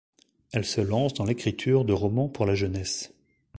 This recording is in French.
Elle se lance dans l’écriture de romans pour la jeunesse.